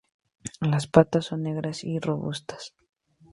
Las patas son negras y robustas.